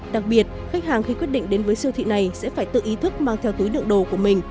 đặc biệt khách hàng khi quyết định đến với siêu thị này sẽ phải tự ý thức mang theo túi đựng đồ của mình